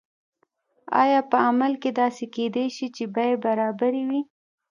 آیا په عمل کې داسې کیدای شي چې بیې برابرې وي؟